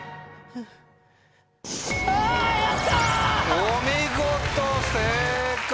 お見事正解。